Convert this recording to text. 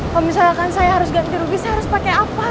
kalau misalkan saya harus ganti rugi saya harus pakai apa